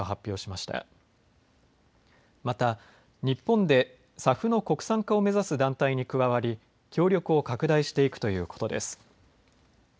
また日本でＳＡＦの国産化を目指す団体に加わり協力を拡大していくということです。